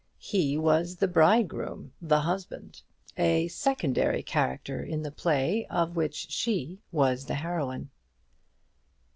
He was the bridegroom, the husband; a secondary character in the play of which she was the heroine.